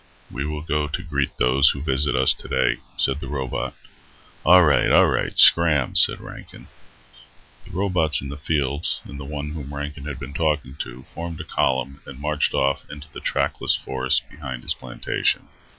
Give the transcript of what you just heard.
"We will go to greet those who visit us today," said the robot. "Alright, alright, scram," said Rankin. The robots in the fields and the one whom Rankin had been talking to formed a column and marched off into the trackless forests behind his plantation.